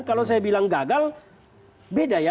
kalau saya bilang gagal beda ya